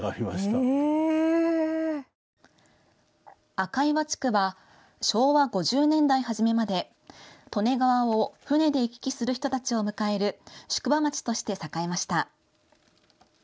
赤岩地区は昭和５０年代初めまで利根川を船で行き来する人たちを迎える宿場町として栄えました。